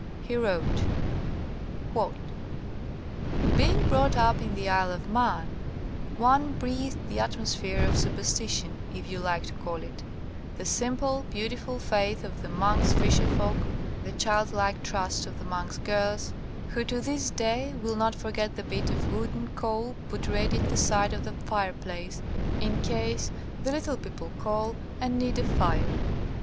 He wrote: "Being brought up in the Isle of Man one breathed the atmosphere of supersti tion (if you like to call it), the simple, beau tiful faith of the Manx fisher folk, the child like trust of the Manx girls, who to this day will not forget the bit of wood and coal put ready at the side of the fireplace in case 155 THE COMING OF THE FAIRIES the *little people* call and need a fire.